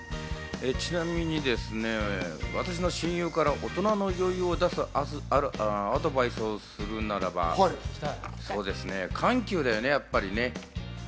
ちなみにですね、私の親友から大人の余裕を出すアドバイスをするならば、緩急だよね、やっぱり。